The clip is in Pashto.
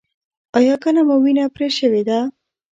ایا کله مو وینه پرې شوې ده؟